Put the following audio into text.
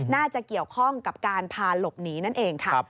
น่าจะเกี่ยวข้องกับการพาหลบหนีนั่นเองค่ะ